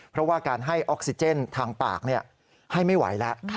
เพราะว่าการให้ออกซิเจนทางปากให้ไม่ไหวแล้ว